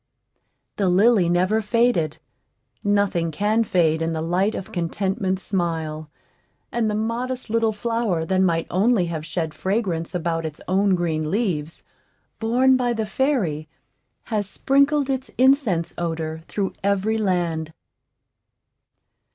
The lily never faded; nothing can fade in the light of Contentment's smile; and the modest little flower that might only have shed fragrance about its own green leaves, borne by the fairy, has sprinkled its incense odor through every land.